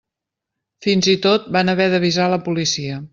Fins i tot van haver d'avisar la policia.